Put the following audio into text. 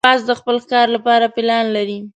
باز د خپل ښکار لپاره پلان لري